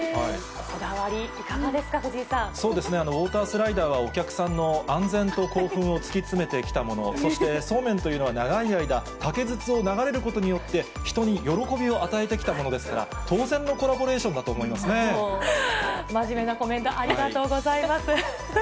こだわり、いかがですか、藤井さそうですね、ウォータースライダーはお客さんの安全と興奮を突き詰めてきたもの、そしてそうめんというのは、長い間、竹筒を流れることによって、人に喜びを与えてきたものですから、当然のコラボレーションだと真面目なコメント、ありがとうございます。